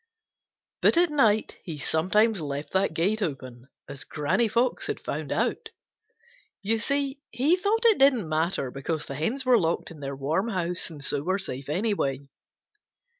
But at night he sometimes left that gate open, as Granny Fox had found out. You see, he thought it didn't matter because the hens were locked in their warm house and so were safe, anyway.